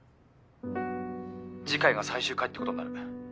次回が最終回ってことになる。